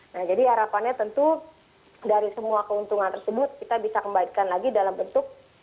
nah jadi harapannya tentu dari semua keuntungan tersebut kita bisa kembalikan lagi dalam bentuk